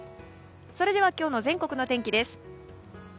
それでは今日の全国の天気です。